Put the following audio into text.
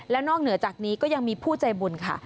แล้วนอกเหนือจากนี้ก็ยังมีผู้ใจบุญค่ะ